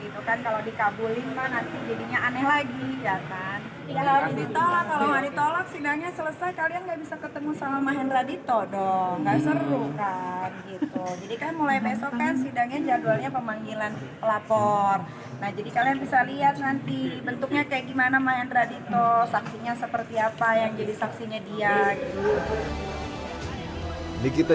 pertama di antara beberapa pertimbangan hukum di antara beberapa pertimbangan hukum yang diperlukan oleh pemerintah